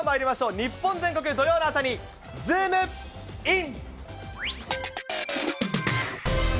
日本全国土曜の朝に、ズームイン！！